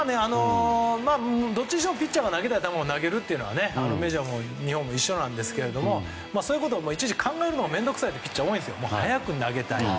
どっちにしろピッチャーが投げたい球を投げるというのはメジャーも日本も一緒なんですけどそういうことをいちいち考えるのも面倒くさいピッチャーも多いんですよ。